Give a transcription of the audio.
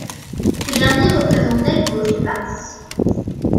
Ce dernier représente l'aile gauche du parti.